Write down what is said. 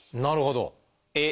なるほど。